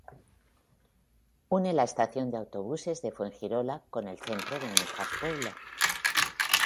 Une la estación de autobuses de Fuengirola con el centro de Mijas Pueblo.